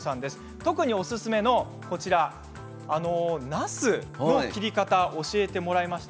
特におすすめの、なすの切り方を教えてもらいました。